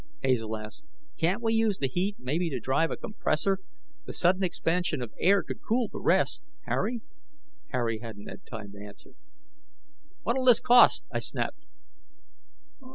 Hazel asked, "Can't we use the heat, maybe to drive a compressor? The sudden expansion of air could cool the rest. Harry?" Harry hadn't time to answer. "What'll this cost?" I snapped.